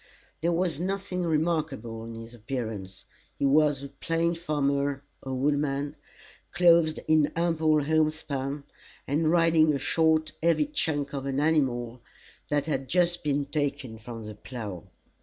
There was nothing remarkable in his appearance. He was a plain farmer or woodman, clothed in ample homespun, and riding a short heavy chunk of an animal, that had just been taken from the plough.